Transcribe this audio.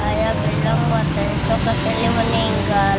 ayah bilang waktu itu kak selly meninggal